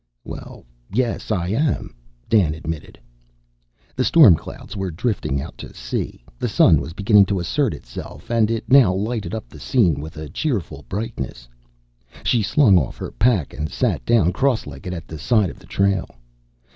"Well, yes, I am." Dan admitted. The storm clouds were drifting out to sea; the sun was beginning to assert itself, and it now lighted up the scene with a cheerful brightness. She slung off her pack and sat down cross legged at the side of the trail.